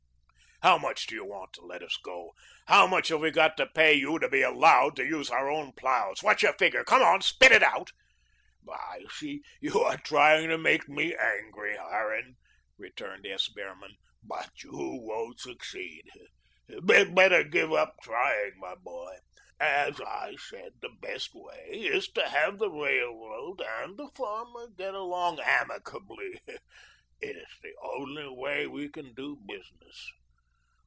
"How much do you want to let us go? How much have we got to pay you to be ALLOWED to use our own ploughs what's your figure? Come, spit it out." "I see you are trying to make me angry, Harran," returned S. Behrman, "but you won't succeed. Better give up trying, my boy. As I said, the best way is to have the railroad and the farmer get along amicably. It is the only way we can do business.